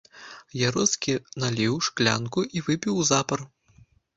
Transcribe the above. Яроцкі наліў шклянку і выпіў узапар.